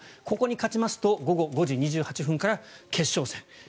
ここに勝ちますと午後５時２８分から決勝戦。